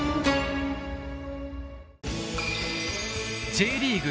Ｊリーグ